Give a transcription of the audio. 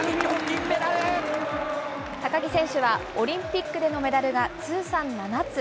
高木選手は、オリンピックでのメダルが通算７つ。